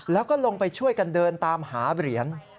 แล้วก็ลงไปช่วยกันเดินตามหาเหรียญ